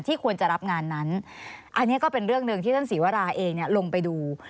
ควรจะรับงานนั้นอันนี้ก็เป็นเรื่องหนึ่งที่ท่านศรีวราเองลงไปดู